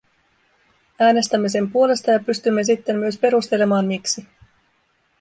Äänestämme sen puolesta ja pystymme sitten myös perustelemaan, miksi.